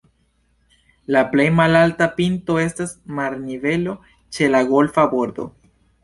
La plej malalta pinto estas marnivelo ĉe la golfa bordo.